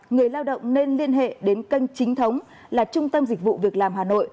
người lao động nên liên hệ đến kênh chính thống là trung tâm dịch vụ việc làm hà nội